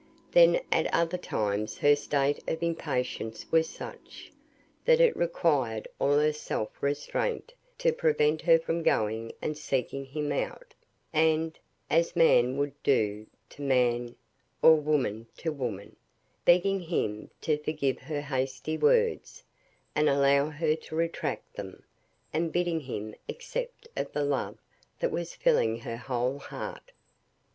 Then at other times her state of impatience was such, that it required all her self restraint to prevent her from going and seeking him out, and (as man would do to man, or woman to woman) begging him to forgive her hasty words, and allow her to retract them, and bidding him accept of the love that was filling her whole heart.